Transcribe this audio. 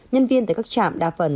nhân viên tại các trạm đa phần